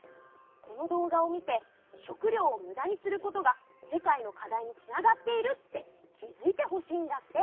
この動画を見て食料をむだにすることが世界のかだいにつながっているって気づいてほしいんだって。